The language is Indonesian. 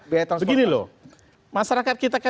begini loh masyarakat kita kan